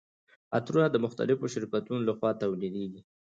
عطرونه د مختلفو شرکتونو لخوا تولیدیږي.